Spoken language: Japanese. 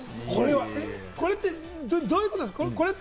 これってどういうことですか？